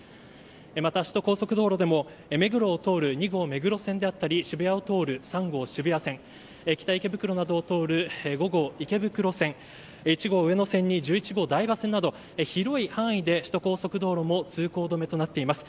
また首都高速道路でも目黒を通る２号目黒線であったり渋谷を通る３号渋谷線北池袋などを通る５号池袋線１号上野線、１０号台場線など広い範囲で首都高速道路も通行止めとなっています。